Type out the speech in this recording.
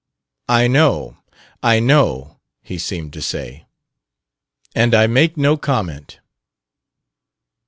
"I know, I know," he seemed to say; "and I make no comment."